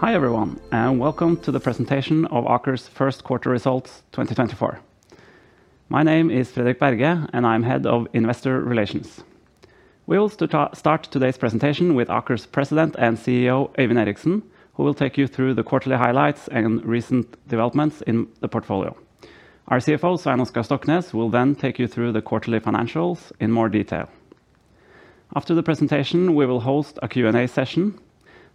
Hi everyone, and welcome to the presentation of Aker's first quarter results 2024. My name is Fredrik Berge, and I'm head of Investor Relations. We will start today's presentation with Aker's president and CEO, Øyvind Eriksen, who will take you through the quarterly highlights and recent developments in the portfolio. Our CFO, Svein Oskar Stoknes, will then take you through the quarterly financials in more detail. After the presentation, we will host a Q&A session,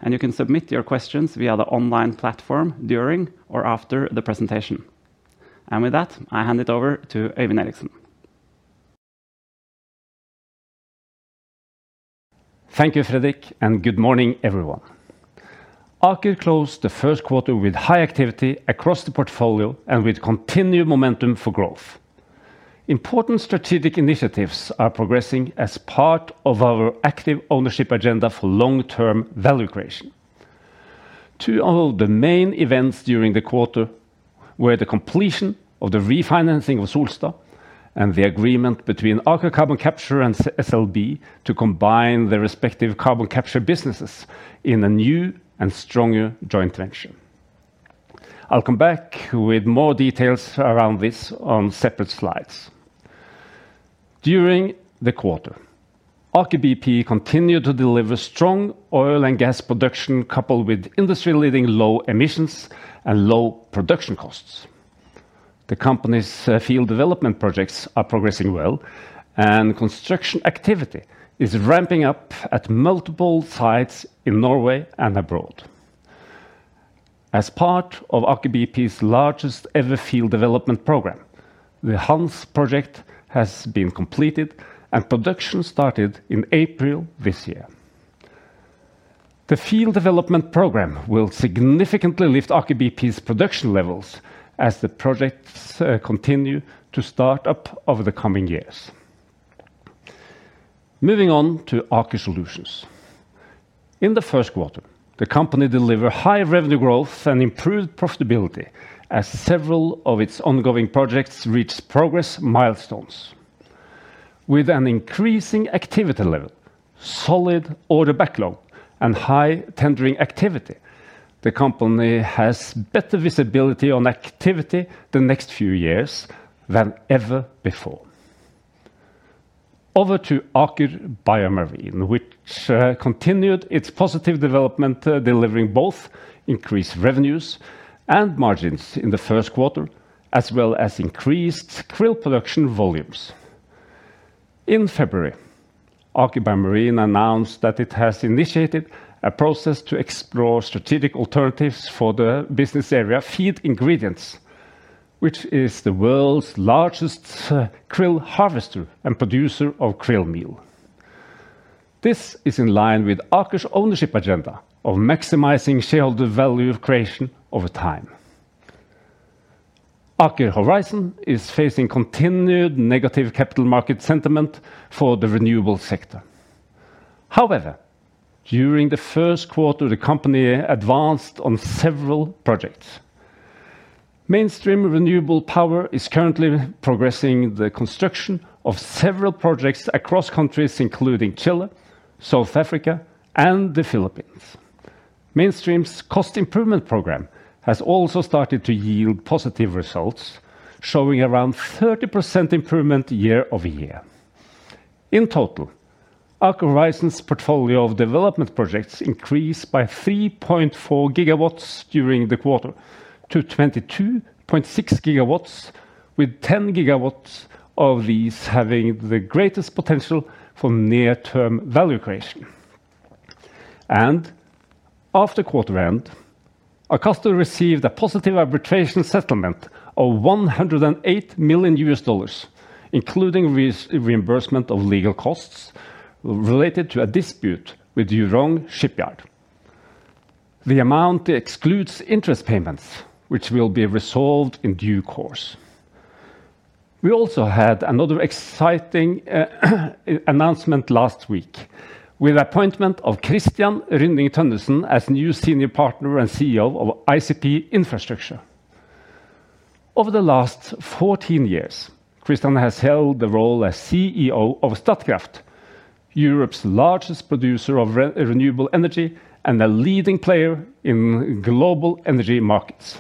and you can submit your questions via the online platform during or after the presentation. With that, I hand it over to Øyvind Eriksen. Thank you, Fredrik, and good morning everyone. Aker closed the first quarter with high activity across the portfolio and with continued momentum for growth. Important strategic initiatives are progressing as part of our active ownership agenda for long-term value creation. Two of the main events during the quarter were the completion of the refinancing of Solstad and the agreement between Aker Carbon Capture and SLB to combine their respective carbon capture businesses in a new and stronger joint venture. I'll come back with more details around this on separate slides. During the quarter, Aker BP continued to deliver strong oil and gas production coupled with industry-leading low emissions and low production costs. The company's field development projects are progressing well, and construction activity is ramping up at multiple sites in Norway and abroad. As part of Aker BP's largest ever field development program, the Hans project has been completed, and production started in April this year. The field development program will significantly lift Aker BP's production levels as the projects continue to start up over the coming years. Moving on to Aker Solutions. In the first quarter, the company delivered high revenue growth and improved profitability as several of its ongoing projects reached progress milestones. With an increasing activity level, solid order backlog, and high tendering activity, the company has better visibility on activity the next few years than ever before. Over to Aker BioMarine, which continued its positive development, delivering both increased revenues and margins in the first quarter, as well as increased krill production volumes. In February, Aker BioMarine announced that it has initiated a process to explore strategic alternatives for the business area Feed Ingredients, which is the world's largest krill harvester and producer of krill meal. This is in line with Aker's ownership agenda of maximizing shareholder value creation over time. Aker Horizons is facing continued negative capital market sentiment for the renewable sector. However, during the first quarter, the company advanced on several projects. Mainstream Renewable Power is currently progressing the construction of several projects across countries, including Chile, South Africa, and the Philippines. Mainstream's cost improvement program has also started to yield positive results, showing around 30% improvement year-over-year. In total, Aker Horizons' portfolio of development projects increased by 3.4 gigawatts during the quarter to 22.6 gigawatts, with 10 gigawatts of these having the greatest potential for near-term value creation. After quarter-end, our customer received a positive arbitration settlement of $108 million, including reimbursement of legal costs related to a dispute with Eurong Shipyard. The amount excludes interest payments, which will be resolved in due course. We also had another exciting announcement last week with the appointment of Christian Rynning-Tønnesen as new Senior Partner and CEO of ICP Infrastructure. Over the last 14 years, Christian has held the role as CEO of Statkraft, Europe's largest producer of renewable energy and a leading player in global energy markets.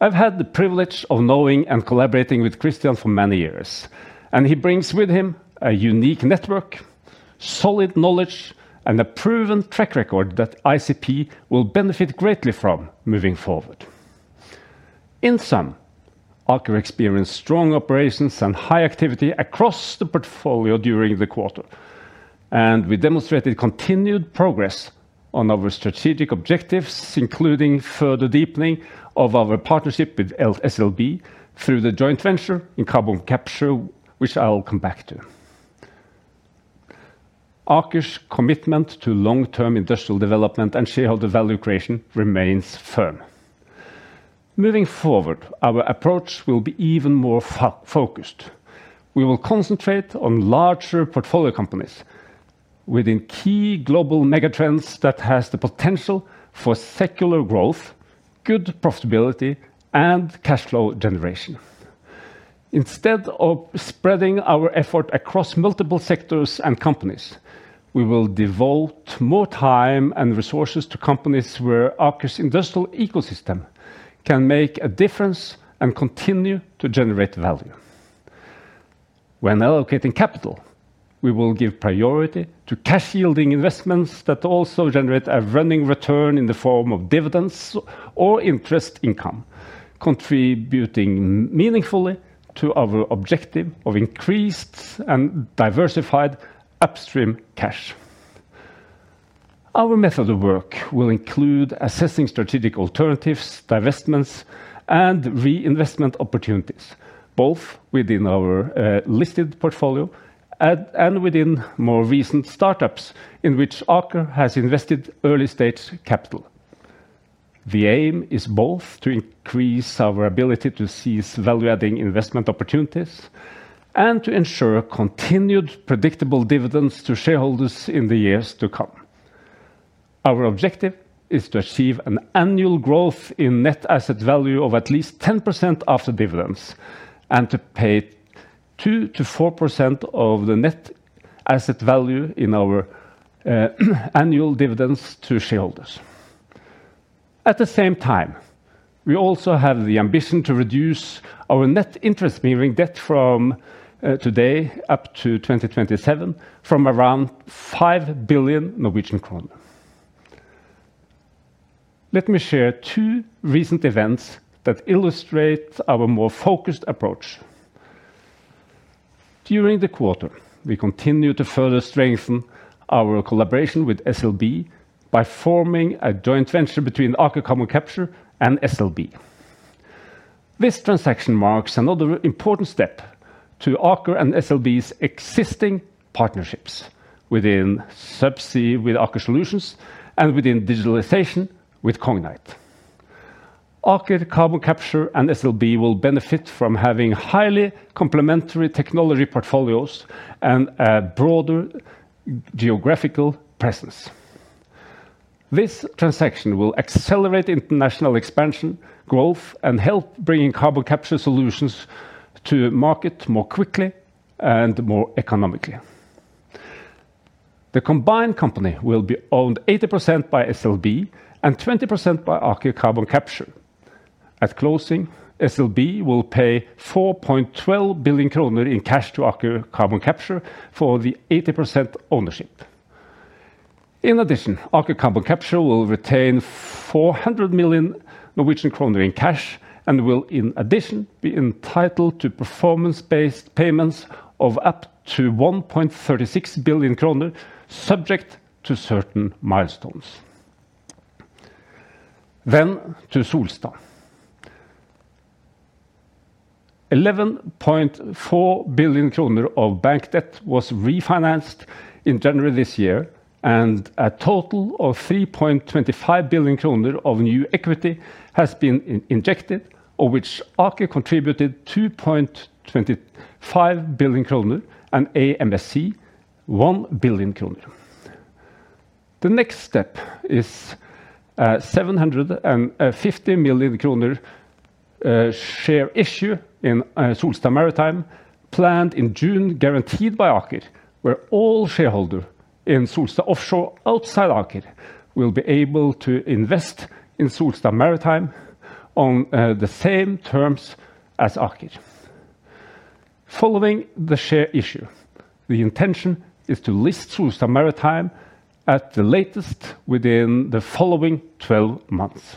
I've had the privilege of knowing and collaborating with Christian for many years, and he brings with him a unique network, solid knowledge, and a proven track record that ICP will benefit greatly from moving forward. In sum, Aker experienced strong operations and high activity across the portfolio during the quarter, and we demonstrated continued progress on our strategic objectives, including further deepening of our partnership with SLB through the joint venture in carbon capture, which I'll come back to. Aker's commitment to long-term industrial development and shareholder value creation remains firm. Moving forward, our approach will be even more focused. We will concentrate on larger portfolio companies within key global megatrends that have the potential for secular growth, good profitability, and cash flow generation. Instead of spreading our effort across multiple sectors and companies, we will devote more time and resources to companies where Aker's industrial ecosystem can make a difference and continue to generate value. When allocating capital, we will give priority to cash-yielding investments that also generate a running return in the form of dividends or interest income, contributing meaningfully to our objective of increased and diversified upstream cash. Our method of work will include assessing strategic alternatives, divestments, and reinvestment opportunities, both within our listed portfolio and within more recent startups in which Aker has invested early-stage capital. The aim is both to increase our ability to seize value-adding investment opportunities and to ensure continued predictable dividends to shareholders in the years to come. Our objective is to achieve an annual growth in net asset value of at least 10% after dividends and to pay 2%-4% of the net asset value in our annual dividends to shareholders. At the same time, we also have the ambition to reduce our net interest-bearing debt from today up to 2027 from around 5 billion Norwegian kroner. Let me share two recent events that illustrate our more focused approach. During the quarter, we continue to further strengthen our collaboration with SLB by forming a joint venture between Aker Carbon Capture and SLB. This transaction marks another important step to Aker and SLB's existing partnerships within subsea with Aker Solutions and within digitalization with Cognite. Aker Carbon Capture and SLB will benefit from having highly complementary technology portfolios and a broader geographical presence. This transaction will accelerate international expansion, growth, and help bring carbon capture solutions to market more quickly and more economically. The combined company will be owned 80% by SLB and 20% by Aker Carbon Capture. At closing, SLB will pay 4.12 billion kroner in cash to Aker Carbon Capture for the 80% ownership. In addition, Aker Carbon Capture will retain 400 million Norwegian kroner in cash and will, in addition, be entitled to performance-based payments of up to 1.36 billion kroner, subject to certain milestones. Then to Solstad. 11.4 billion kroner of bank debt was refinanced in January this year, and a total of 3.25 billion kroner of new equity has been injected, of which Aker contributed 2.25 billion kroner and AMSC 1 billion kroner. The next step is a 750 million kroner share issue in Solstad Maritime, planned in June, guaranteed by Aker, where all shareholders in Solstad Offshore outside Aker will be able to invest in Solstad Maritime on the same terms as Aker. Following the share issue, the intention is to list Solstad Maritime at the latest within the following 12 months.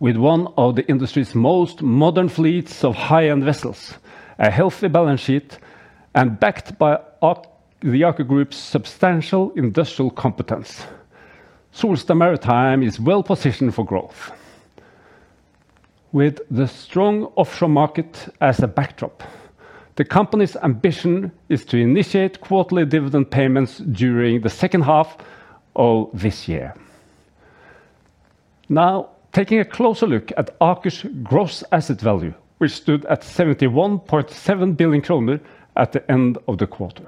With one of the industry's most modern fleets of high-end vessels, a healthy balance sheet, and backed by the Aker Group's substantial industrial competence, Solstad Maritime is well positioned for growth. With the strong offshore market as a backdrop, the company's ambition is to initiate quarterly dividend payments during the second half of this year. Now, taking a closer look at Aker's gross asset value, which stood at 71.7 billion kroner at the end of the quarter.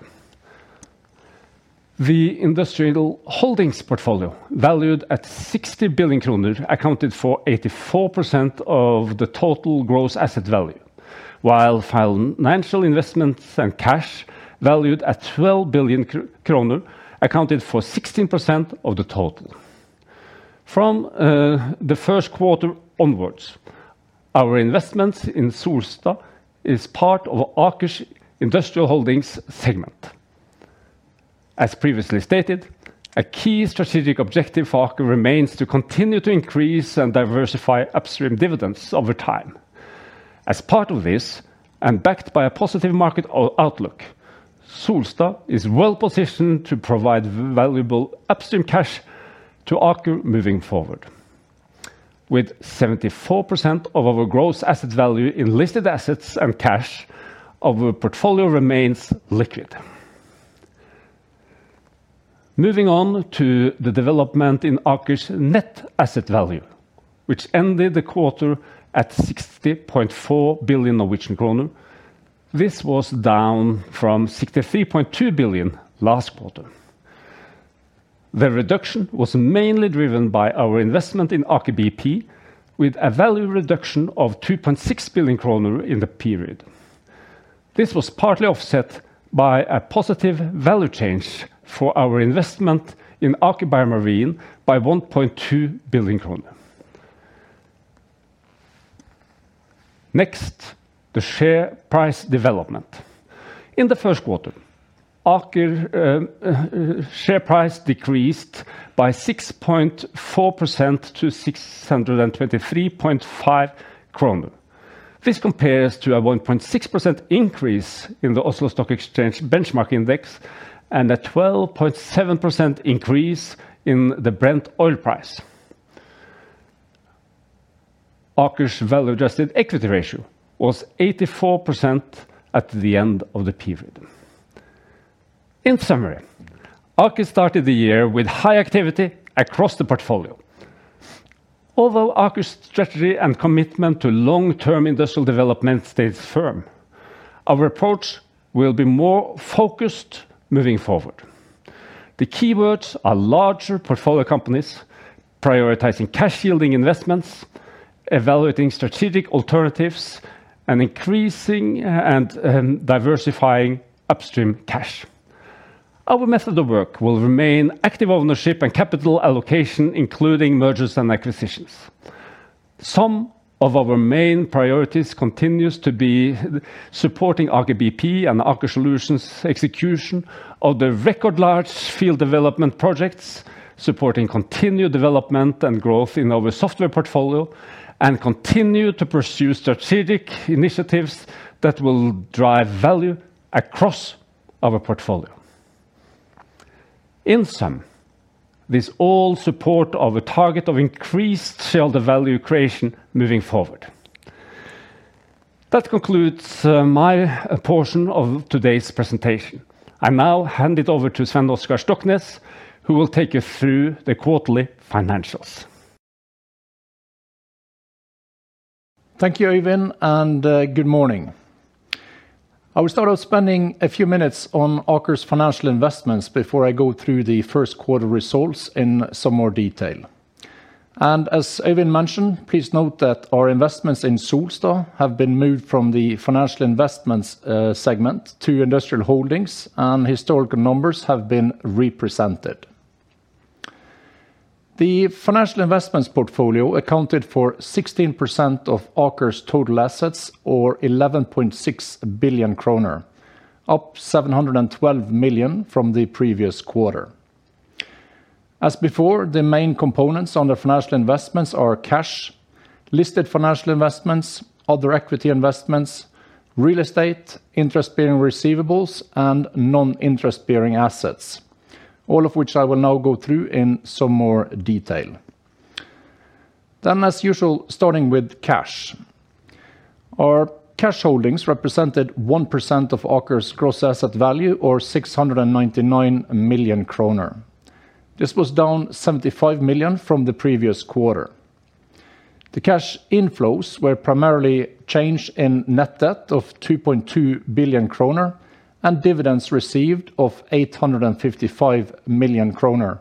The industrial holdings portfolio, valued at 60 billion kroner, accounted for 84% of the total gross asset value, while financial investments and cash, valued at 12 billion kroner, accounted for 16% of the total. From the first quarter onwards, our investments in Solstad are part of Aker's industrial holdings segment. As previously stated, a key strategic objective for Aker remains to continue to increase and diversify upstream dividends over time. As part of this and backed by a positive market outlook, Solstad is well positioned to provide valuable upstream cash to Aker moving forward. With 74% of our gross asset value in listed assets and cash, our portfolio remains liquid. Moving on to the development in Aker's net asset value, which ended the quarter at 60.4 billion Norwegian kroner. This was down from 63.2 billion last quarter. The reduction was mainly driven by our investment in Aker BP, with a value reduction of 2.6 billion kroner in the period. This was partly offset by a positive value change for our investment in Aker BioMarine by NOK 1.2 billion. Next, the share price development. In the first quarter, Aker's share price decreased by 6.4% to 623.5 kroner. This compares to a 1.6% increase in the Oslo Stock Exchange Benchmark Index and a 12.7% increase in the Brent oil price. Aker's value-adjusted equity ratio was 84% at the end of the period. In summary, Aker started the year with high activity across the portfolio. Although Aker's strategy and commitment to long-term industrial development stay firm, our approach will be more focused moving forward. The keywords are larger portfolio companies, prioritizing cash-yielding investments, evaluating strategic alternatives, and increasing and diversifying upstream cash. Our method of work will remain active ownership and capital allocation, including mergers and acquisitions. Some of our main priorities continue to be supporting Aker BP and Aker Solutions' execution of the record large field development projects, supporting continued development and growth in our software portfolio, and continue to pursue strategic initiatives that will drive value across our portfolio. In sum, this all supports our target of increased shareholder value creation moving forward. That concludes my portion of today's presentation. I now hand it over to Svein Oskar Stoknes, who will take you through the quarterly financials. Thank you, Øyvind, and good morning. I will start out spending a few minutes on Aker's financial investments before I go through the first quarter results in some more detail. As Øyvind mentioned, please note that our investments in Solstad have been moved from the financial investments segment to industrial holdings, and historical numbers have been represented. The financial investments portfolio accounted for 16% of Aker's total assets, or 11.6 billion kroner, up 712 million from the previous quarter. As before, the main components under financial investments are cash, listed financial investments, other equity investments, real estate, interest-bearing receivables, and non-interest-bearing assets, all of which I will now go through in some more detail. As usual, starting with cash. Our cash holdings represented 1% of Aker's gross asset value, or 699 million kroner. This was down 75 million from the previous quarter. The cash inflows were primarily change in net debt of 2.2 billion kroner and dividends received of 855 million kroner,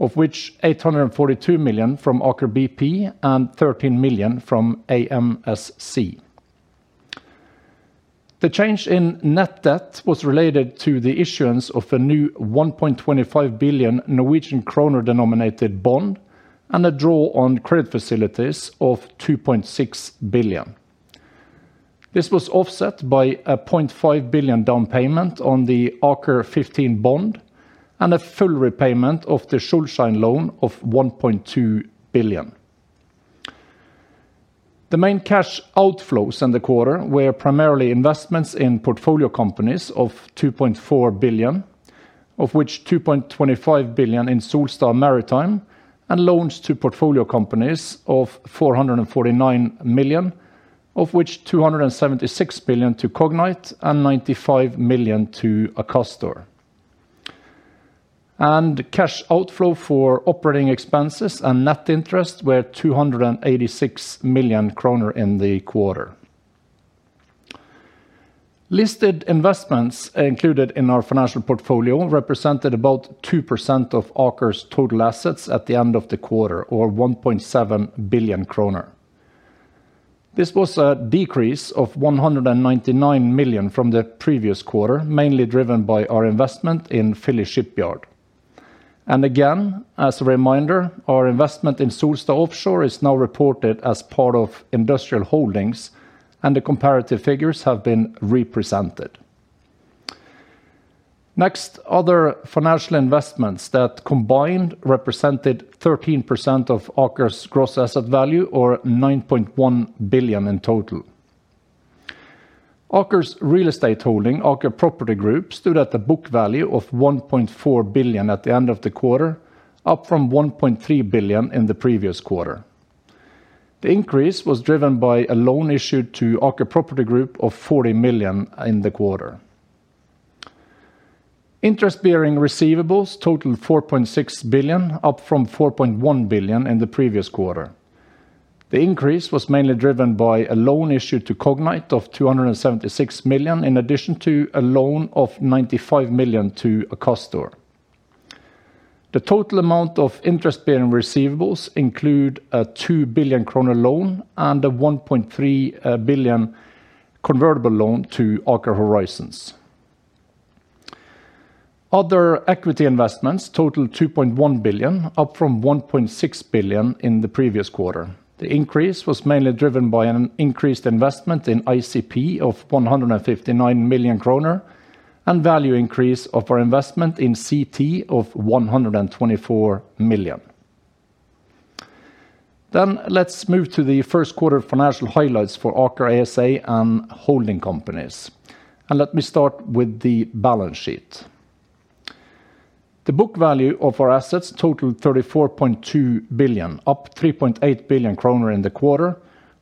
of which 842 million from Aker BP and 13 million from AMSC. The change in net debt was related to the issuance of a new 1.25 billion Norwegian kroner denominated bond and a draw on credit facilities of 2.6 billion. This was offset by a 0.5 billion down payment on the Aker 15 bond and a full repayment of the Schulstein loan of 1.2 billion. The main cash outflows in the quarter were primarily investments in portfolio companies of 2.4 billion, of which 2.25 billion in Solstad Maritime and loans to portfolio companies of 449 million, of which 276 million to Cognite and 95 million to Akastor. Cash outflow for operating expenses and net interest were 286 million kroner in the quarter. Listed investments included in our financial portfolio represented about 2% of Aker's total assets at the end of the quarter, or 1.7 billion kroner. This was a decrease of 199 million from the previous quarter, mainly driven by our investment in Philly Shipyard. And again, as a reminder, our investment in Solstad Offshore is now reported as part of industrial holdings, and the comparative figures have been represented. Next, other financial investments that combined represented 13% of Aker's gross asset value, or 9.1 billion in total. Aker's real estate holding, Aker Property Group, stood at a book value of 1.4 billion at the end of the quarter, up from 1.3 billion in the previous quarter. The increase was driven by a loan issued to Aker Property Group of 40 million in the quarter. Interest-bearing receivables totaled 4.6 billion, up from 4.1 billion in the previous quarter. The increase was mainly driven by a loan issued to Cognite of 276 million in addition to a loan of 95 million to Akastor. The total amount of interest-bearing receivables includes a 2 billion kroner loan and a 1.3 billion convertible loan to Aker Horizons. Other equity investments totaled 2.1 billion, up from 1.6 billion in the previous quarter. The increase was mainly driven by an increased investment in ICP of 159 million kroner and value increase of our investment in Cognite of 124 million. Let's move to the first quarter financial highlights for Aker ASA and holding companies. Let me start with the balance sheet. The book value of our assets totaled 34.2 billion, up 3.8 billion kroner in the quarter,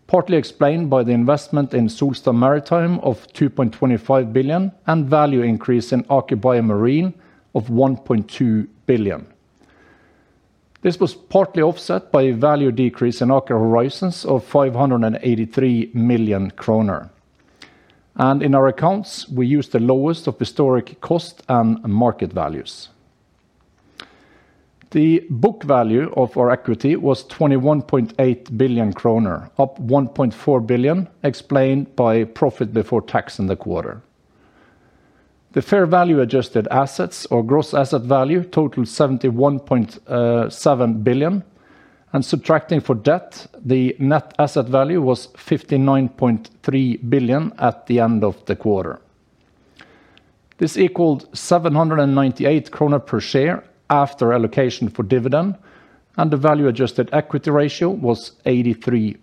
partly explained by the investment in Solstad Maritime of 2.25 billion and value increase in Aker BioMarine of 1.2 billion. This was partly offset by a value decrease in Aker Horizons of 583 million kroner. In our accounts, we used the lowest of historic cost and market values. The book value of our equity was 21.8 billion kroner, up 1.4 billion, explained by profit before tax in the quarter. The fair value-adjusted assets, or gross asset value, totaled 71.7 billion, and subtracting for debt, the net asset value was 59.3 billion at the end of the quarter. This equaled 798 krone per share after allocation for dividend, and the value-adjusted equity ratio was 83%.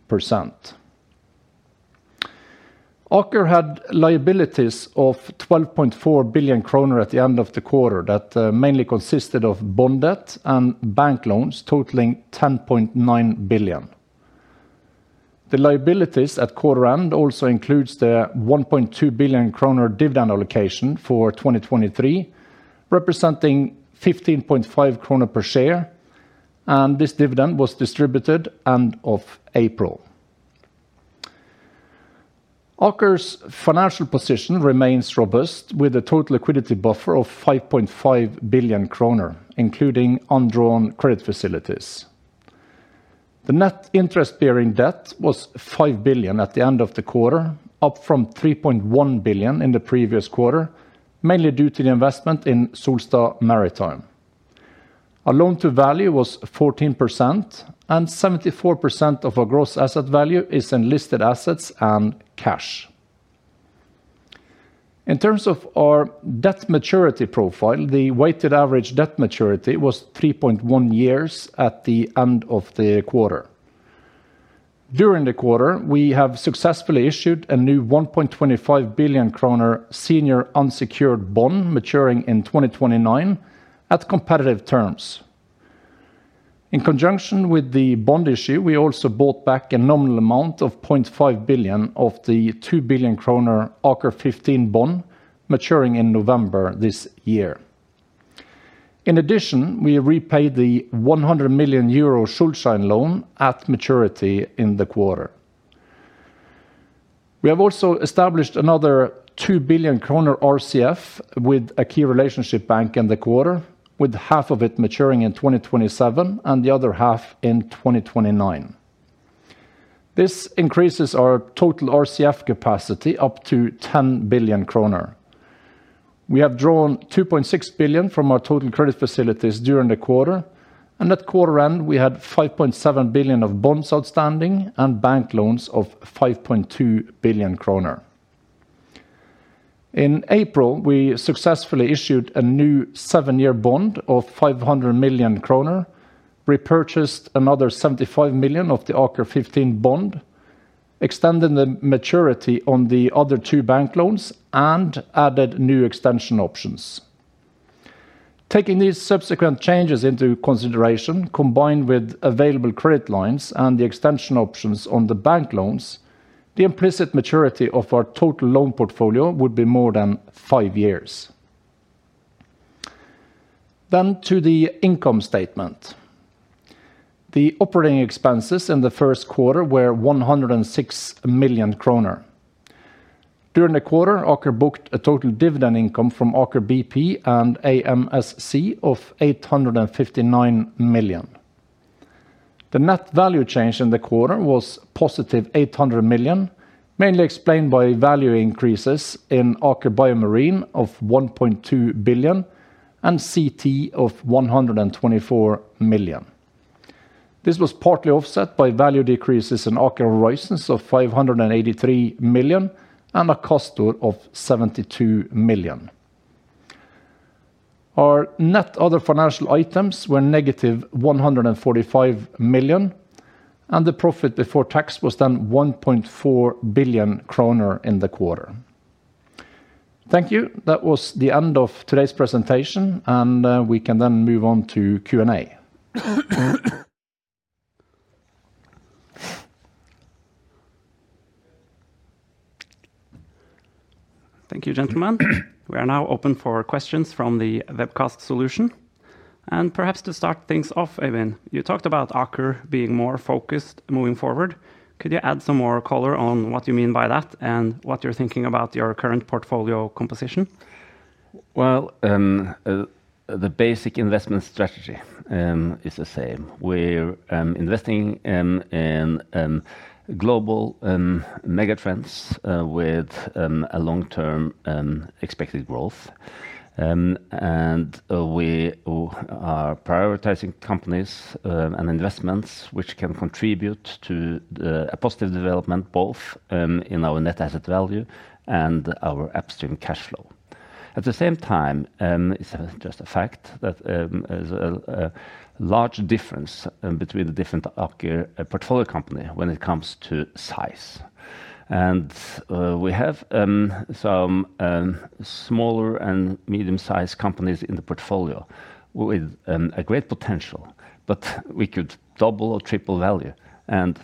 Aker had liabilities of 12.4 billion kroner at the end of the quarter that mainly consisted of bond debt and bank loans totaling 10.9 billion. The liabilities at quarter end also include the 1.2 billion kroner dividend allocation for 2023, representing 15.5 kroner per share, and this dividend was distributed at the end of April. Aker's financial position remains robust, with a total liquidity buffer of 5.5 billion kroner, including undrawn credit facilities. The net interest-bearing debt was 5 billion at the end of the quarter, up from 3.1 billion in the previous quarter, mainly due to the investment in Solstad Maritime. Our loan-to-value was 14%, and 74% of our gross asset value is in listed assets and cash. In terms of our debt maturity profile, the weighted average debt maturity was 3.1 years at the end of the quarter. During the quarter, we have successfully issued a new 1.25 billion kroner senior unsecured bond maturing in 2029 at competitive terms. In conjunction with the bond issue, we also bought back a nominal amount of 0.5 billion of the 2 billion kroner Aker 15 bond maturing in November this year. In addition, we repay the 100 million euro Schuldschein loan at maturity in the quarter. We have also established another 2 billion kroner RCF with a key relationship bank in the quarter, with half of it maturing in 2027 and the other half in 2029. This increases our total RCF capacity up to 10 billion kroner. We have drawn 2.6 billion from our total credit facilities during the quarter, and at quarter end, we had 5.7 billion of bonds outstanding and bank loans of 5.2 billion kroner. In April, we successfully issued a new seven-year bond of 500 million kroner, repurchased another 75 million of the Aker 15 bond, extended the maturity on the other two bank loans, and added new extension options. Taking these subsequent changes into consideration, combined with available credit lines and the extension options on the bank loans, the implicit maturity of our total loan portfolio would be more than 5 years. Then to the income statement. The operating expenses in the first quarter were 106 million kroner. During the quarter, Aker booked a total dividend income from Aker BP and AMSC of 859 million. The net value change in the quarter was positive 800 million, mainly explained by value increases in Aker BioMarine of 1.2 billion and CT of 124 million. This was partly offset by value decreases in Aker Horizons of 583 million and Akastor of 72 million. Our net other financial items were negative 145 million, and the profit before tax was then 1.4 billion kroner in the quarter. Thank you. That was the end of today's presentation, and we can then move on to Q&A. Thank you, gentlemen. We are now open for questions from the webcast solution. Perhaps to start things off, Øyvind, you talked about Aker being more focused moving forward. Could you add some more color on what you mean by that and what you're thinking about your current portfolio composition? Well, the basic investment strategy is the same. We're investing in global megatrends with a long-term expected growth. We are prioritizing companies and investments which can contribute to a positive development both in our net asset value and our upstream cash flow. At the same time, it's just a fact that there's a large difference between the different Aker portfolio companies when it comes to size. We have some smaller and medium-sized companies in the portfolio with a great potential, but we could double or triple value, and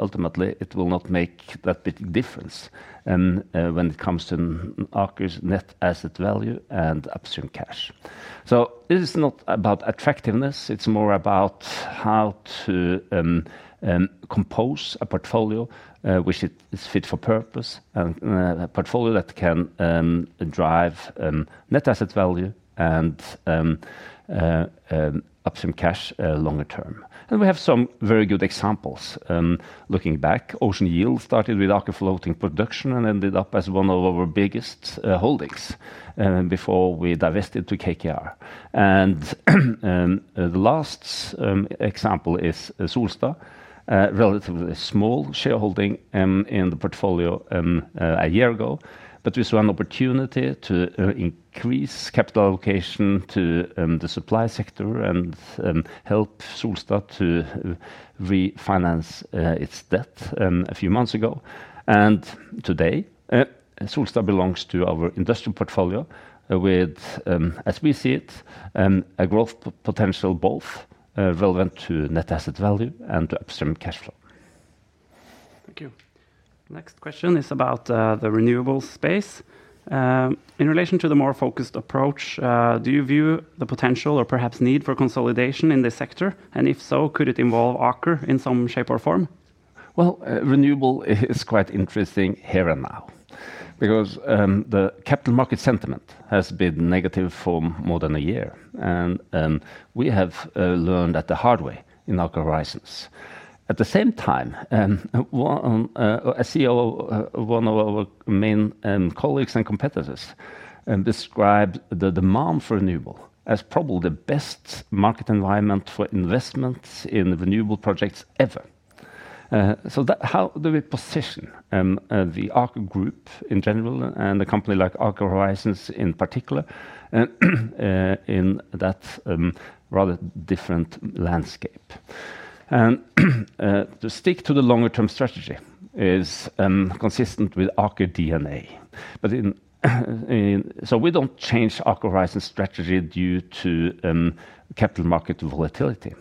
ultimately, it will not make that big difference when it comes to Aker's net asset value and upstream cash. This is not about attractiveness. It's more about how to compose a portfolio which is fit for purpose, a portfolio that can drive net asset value and upstream cash longer term. We have some very good examples. Looking back, Ocean Yield started with Aker Floating Production and ended up as one of our biggest holdings before we divested to KKR. The last example is Solstad, relatively small shareholding in the portfolio a year ago, but this was an opportunity to increase capital allocation to the supply sector and help Solstad to refinance its debt a few months ago. Today, Solstad belongs to our industrial portfolio with, as we see it, a growth potential both relevant to net asset value and to upstream cash flow. Thank you. Next question is about the renewables space. In relation to the more focused approach, do you view the potential or perhaps need for consolidation in this sector? And if so, could it involve Aker in some shape or form? Well, renewable is quite interesting here and now because the capital market sentiment has been negative for more than a year, and we have learned that the hard way in Aker Horizons. At the same time, one of our main colleagues and competitors described the demand for renewable as probably the best market environment for investment in renewable projects ever. So how do we position the Aker Group in general and a company like Aker Horizons in particular in that rather different landscape? And to stick to the longer-term strategy is consistent with Aker DNA. So we don't change Aker Horizons' strategy due to capital market volatility.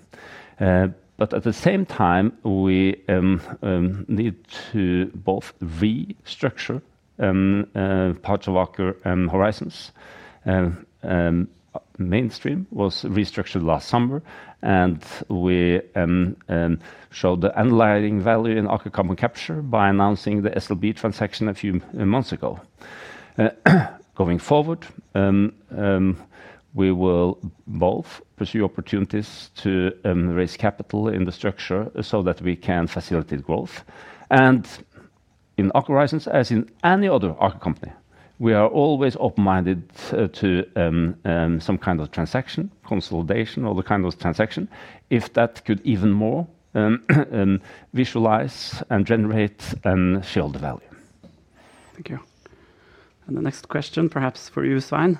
But at the same time, we need to both restructure parts of Aker Horizons. Mainstream was restructured last summer, and we showed the underlying value in Aker Carbon Capture by announcing the SLB transaction a few months ago. Going forward, we will both pursue opportunities to raise capital in the structure so that we can facilitate growth. And in Aker Horizons, as in any other Aker company, we are always open-minded to some kind of transaction, consolidation, or the kind of transaction, if that could even more visualize and generate and shield the value. Thank you. The next question, perhaps for you, Svein,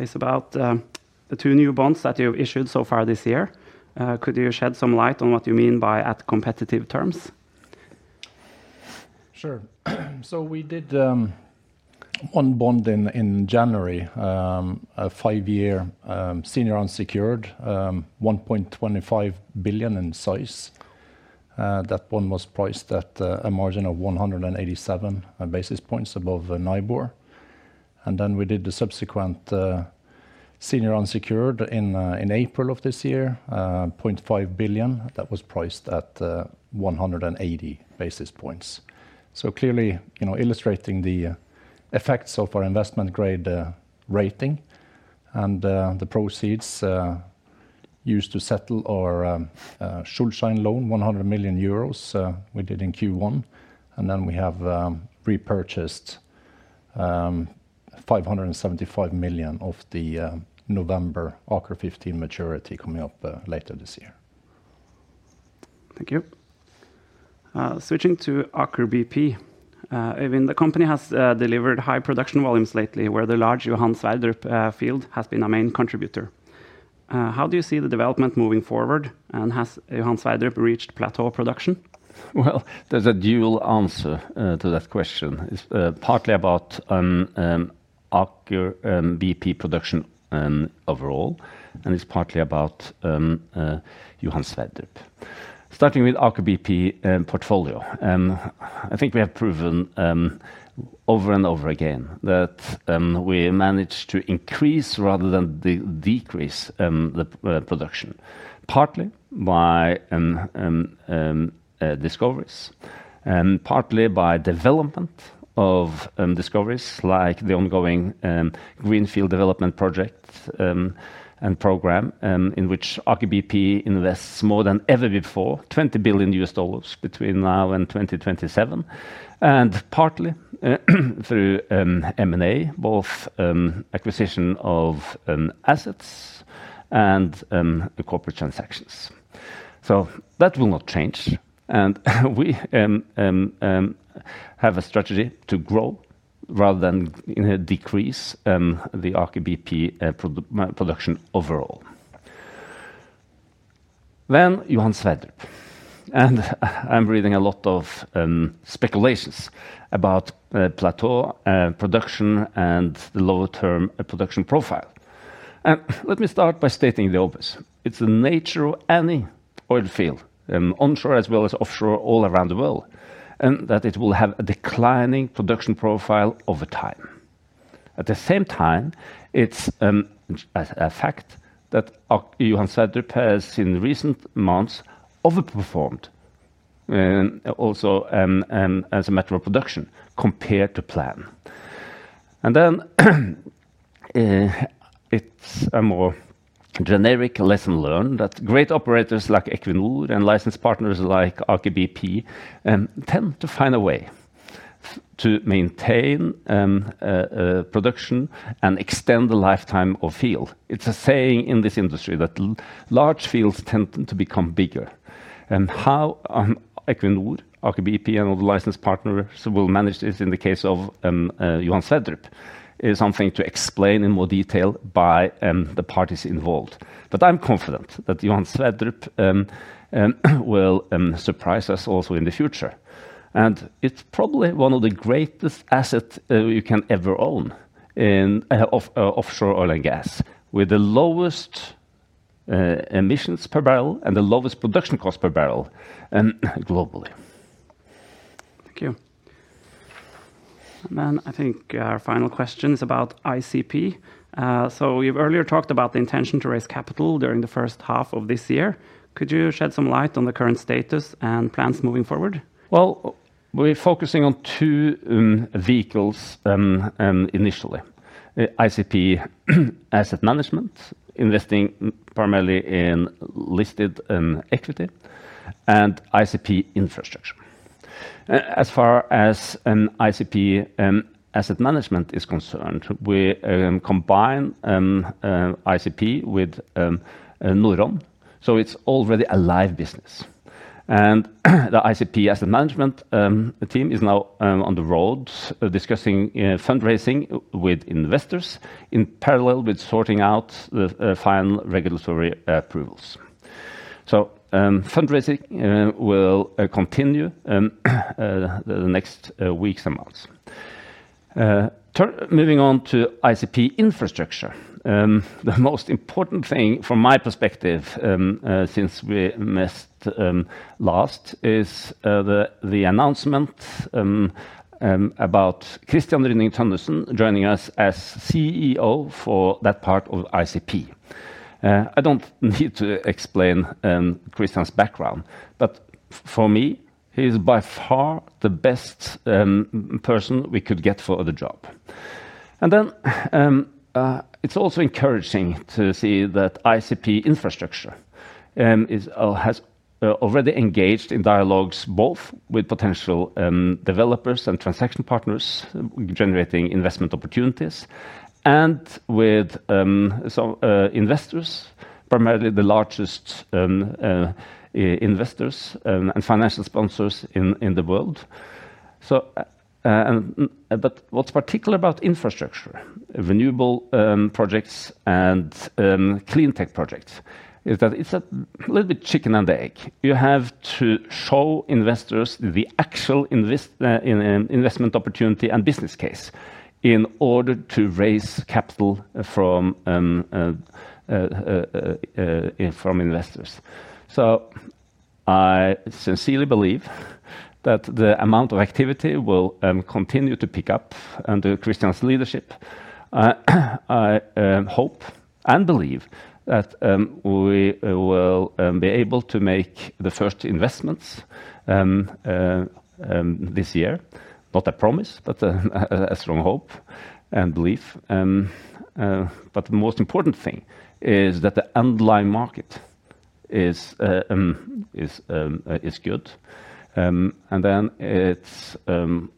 is about the two new bonds that you've issued so far this year. Could you shed some light on what you mean by at competitive terms? Sure. So we did one bond in January, a 5-year senior unsecured, 1.25 billion in size. That bond was priced at a margin of 187 basis points above NIBOR. And then we did the subsequent senior unsecured in April of this year, 0.5 billion. That was priced at 180 basis points. So clearly illustrating the effects of our investment-grade rating and the proceeds used to settle our Schuldschein loan, 100 million euros we did in Q1. And then we have repurchased 575 million of the November Aker 2015 maturity coming up later this year. Thank you. Switching to Aker BP. Øyvind, the company has delivered high production volumes lately, where the large Johan Sverdrup field has been a main contributor. How do you see the development moving forward? And has Johan Sverdrup reached plateau production? Well, there's a dual answer to that question. It's partly about Aker BP production overall, and it's partly about Johan Sverdrup. Starting with Aker BP portfolio, I think we have proven over and over again that we managed to increase rather than decrease the production, partly by discoveries, partly by development of discoveries like the ongoing greenfield development project and program in which Aker BP invests more than ever before, $20 billion between now and 2027, and partly through M&A, both acquisition of assets and corporate transactions. So that will not change. We have a strategy to grow rather than decrease the Aker BP production overall. Then Johan Sverdrup. I'm reading a lot of speculations about plateau production and the longer-term production profile. Let me start by stating the obvious. It's the nature of any oil field, onshore as well as offshore, all around the world, that it will have a declining production profile over time. At the same time, it's a fact that Johan Sverdrup has in recent months overperformed also as a matter of production compared to plan. And then it's a more generic lesson learned that great operators like Equinor and licensed partners like Aker BP tend to find a way to maintain production and extend the lifetime of field. It's a saying in this industry that large fields tend to become bigger. And how Equinor, Aker BP, and all the licensed partners will manage this in the case of Johan Sverdrup is something to explain in more detail by the parties involved. But I'm confident that Johan Sverdrup will surprise us also in the future. It's probably one of the greatest assets you can ever own in offshore oil and gas, with the lowest emissions per barrel and the lowest production cost per barrel globally. Thank you. Then I think our final question is about ICP. You've earlier talked about the intention to raise capital during the first half of this year. Could you shed some light on the current status and plans moving forward? Well, we're focusing on two vehicles initially: ICP asset management, investing primarily in listed equity, and ICP infrastructure. As far as ICP asset management is concerned, we combine ICP with Norron. So it's already a live business. And the ICP asset management team is now on the roads discussing fundraising with investors in parallel with sorting out the final regulatory approvals. So fundraising will continue the next weeks and months. Moving on to ICP infrastructure, the most important thing from my perspective since we missed last is the announcement about Christian Rynning-Tønnesen joining us as CEO for that part of ICP. I don't need to explain Christian's background, but for me, he's by far the best person we could get for the job. Then it's also encouraging to see that ICP Infrastructure has already engaged in dialogues both with potential developers and transaction partners, generating investment opportunities, and with investors, primarily the largest investors and financial sponsors in the world. But what's particular about infrastructure, renewable projects, and clean tech projects is that it's a little bit chicken and egg. You have to show investors the actual investment opportunity and business case in order to raise capital from investors. So I sincerely believe that the amount of activity will continue to pick up under Kristian's leadership. I hope and believe that we will be able to make the first investments this year. Not a promise, but a strong hope and belief. But the most important thing is that the underlying market is good. And then it's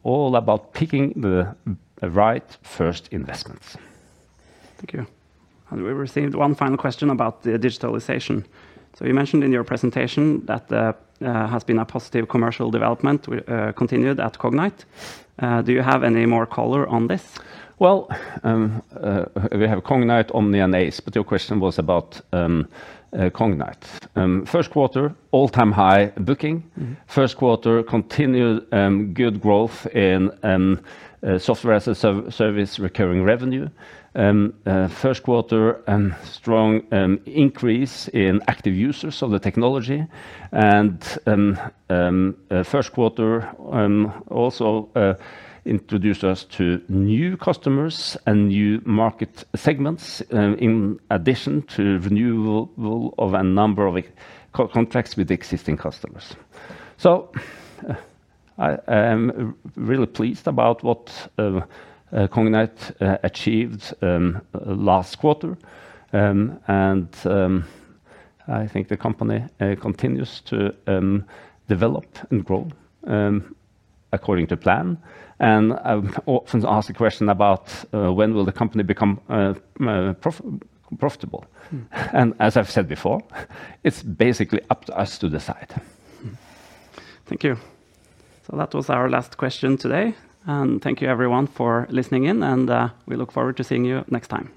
all about picking the right first investments. Thank you. We received one final question about digitalization. So you mentioned in your presentation that there has been a positive commercial development continued at Cognite. Do you have any more color on this? Well, we have Cognite, Omni, and ACE. But your question was about Cognite. First quarter, all-time high booking. First quarter, continued good growth in software as a service, recurring revenue. First quarter, strong increase in active users of the technology. And first quarter also introduced us to new customers and new market segments in addition to renewal of a number of contracts with existing customers. So I am really pleased about what Cognite achieved last quarter. And I think the company continues to develop and grow according to plan. And I often ask the question about when will the company become profitable? And as I've said before, it's basically up to us to decide. Thank you. That was our last question today. Thank you, everyone, for listening in. We look forward to seeing you next time.